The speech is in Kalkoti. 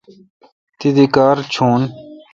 تی دی کار چیون۔